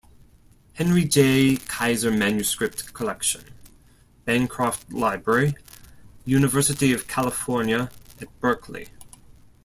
Henry J. Kaiser Manuscript Collection, Bancroft Library, University of California at Berkeley.